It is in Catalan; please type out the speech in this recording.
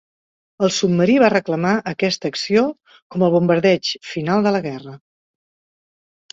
El submarí va reclamar aquesta acció com el bombardeig final de la guerra.